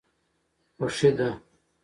خوښي ده.